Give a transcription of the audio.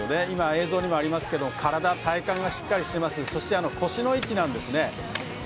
今、映像にありますが体幹がしっかりしていますし腰の位置なんですね。